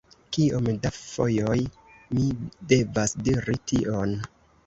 Kiom da fojoj mi devas diri tion!